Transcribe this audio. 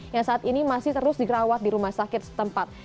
yang saat ini masih terus dirawat di rumah sakit setempat